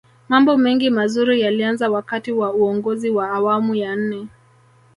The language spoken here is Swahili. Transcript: mambo mengi mazuri yalianza wakati wa uongozi wa awamu ya nne